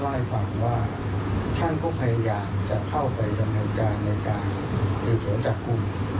ท่านก็ร่อยฟังว่าท่านก็พยายามจะเข้าไปทำงานการในการหยุดสนจักรกลุ่ม